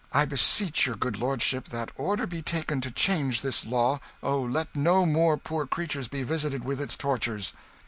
"I beseech your good lordship that order be taken to change this law oh, let no more poor creatures be visited with its tortures."